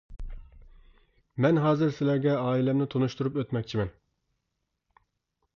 مەن ھازىر سىلەرگە ئائىلەمنى تونۇشتۇرۇپ ئۆتمەكچىمەن.